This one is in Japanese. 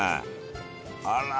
あら！